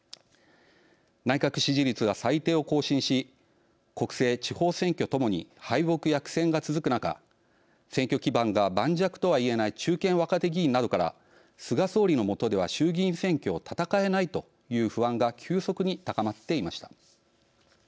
内閣支持率が最低を更新し国政・地方選挙ともに敗北や苦戦が続く中選挙基盤が盤石とはいえない中堅若手議員などから菅総理のもとでは衆議院選挙を戦えないという不安が急速に高まっていました。